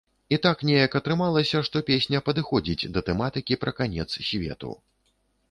І так неяк атрымалася, што песня падыходзіць да тэматыкі пра канец свету.